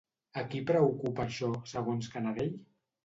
A qui preocupa això segons Canadell?